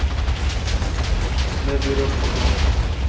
نہ بی رو پوٹون۔